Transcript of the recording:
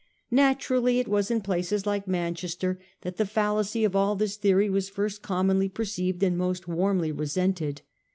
Naturally it was in places like Manchester that the fallacy of all this theory was first commonly perceived and most warmly resented.